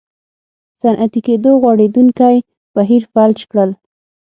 صنعتي کېدو غوړېدونکی بهیر فلج کړل.